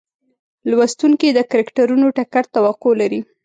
لوستونکي د کرکټرونو ټکر توقع لري.